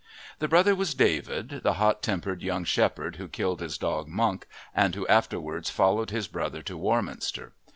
The brother was David, the hot tempered young shepherd who killed his dog Monk, and who afterwards followed his brother to Warminster.